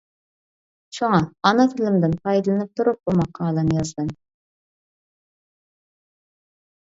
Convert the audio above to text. شۇڭا ئانا تىلىمدىن پايدىلىنىپ تۇرۇپ بۇ ماقالىنى يازدىم.